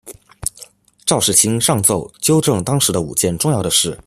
赵世卿上奏纠正当时的五件重要的事。